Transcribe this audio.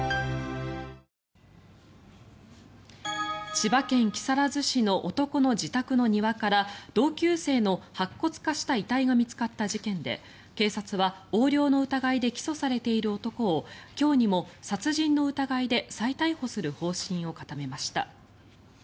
千葉県木更津市の男の自宅の庭から同級生の白骨化した遺体が見つかった事件で警察は横領の疑いで起訴されている男を今日にも殺人の疑いで再逮捕する方針を固めました。